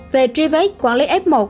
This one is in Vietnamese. về tri vết quản lý f một